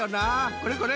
これこれ。